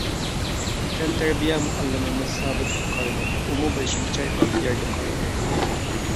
تەنتەربىيە مۇئەللىمىمىز سابىتقا قارىدۇق، ئۇمۇ بېشىنى چايقاپ يەرگە قارىدى.